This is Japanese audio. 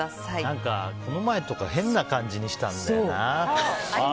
何か、この前とか変な感じにしてたんだよな。